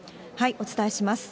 お伝えします。